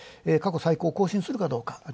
過去最高を更新するかどうか。